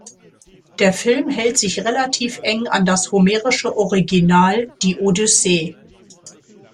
Der Film hält sich relativ eng an das homerische Original, die Odyssee.